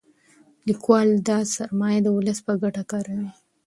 لیکوال دا سرمایه د ولس په ګټه کاروي.